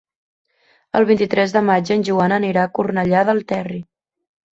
El vint-i-tres de maig en Joan anirà a Cornellà del Terri.